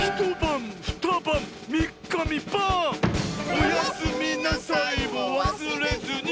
「おやすみなさいもわすれずに」